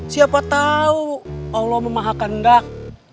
siapa tahu allah memahakan dak